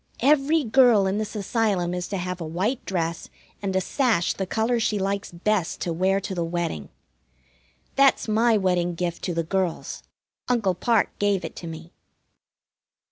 every girl in this Asylum is to have a white dress and a sash the color she likes best to wear to the wedding. That's my wedding gift to the girls. Uncle Parke gave it to me.